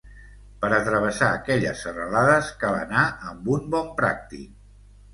Per a travessar aquelles serralades cal anar amb un bon pràctic.